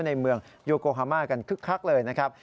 ในเมืองโยโกฮามากันคึกคักเลยนะครับ